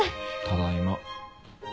ただいま。